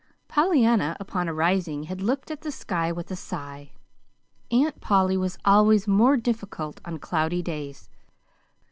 Pollyanna, upon arising, had looked at the sky with a sigh Aunt Polly was always more difficult on cloudy days.